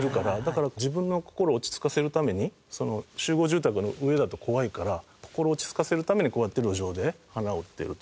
だから自分の心を落ち着かせるために集合住宅の上だと怖いから心を落ち着かせるためにこうやって路上で花を売っていると。